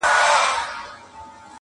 • یا دي کډه له خپل کوره بارومه,